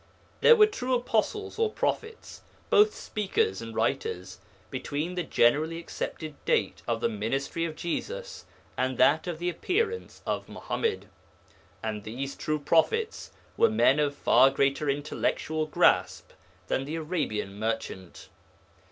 There were true apostles or prophets, both speakers and writers, between the generally accepted date of the ministry of Jesus and that of the appearance of Muḥammad, and these true prophets were men of far greater intellectual grasp than the Arabian merchant.